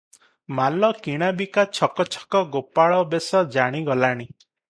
ମାଲ କିଣା ବିକା ଛକ ଛକ ଗୋପାଳ ବେଶ ଜାଣିଗଲାଣି ।